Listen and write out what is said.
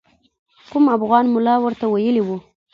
کوم افغان ملا ورته ویلي وو.